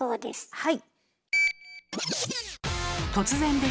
はい。